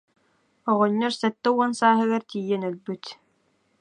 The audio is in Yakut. Оҕонньор сэттэ уон сааһыгар тиийэн өлбүт